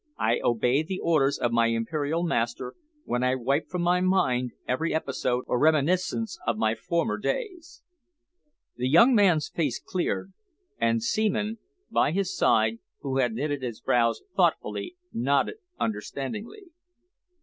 "I obey the orders of my Imperial master when I wipe from my mind every episode or reminiscence of my former days." The young man's face cleared, and Seaman, by his side, who had knitted his brows thoughtfully, nodded understandingly.